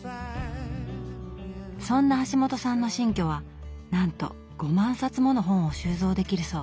そんな橋本さんの新居はなんと５万冊もの本を収蔵できるそう。